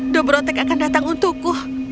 dobrotek akan datang untukku